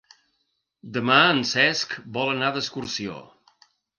Demà en Cesc vol anar d'excursió.